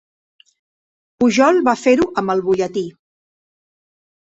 Pujol va fer-ho amb el butlletí.